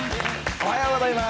おはようございます。